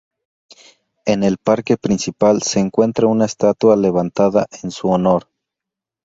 En el parque principal se encuentra una estatua levantada en su honor.